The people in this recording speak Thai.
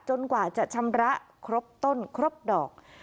กว่าจะชำระครบต้นครบดอก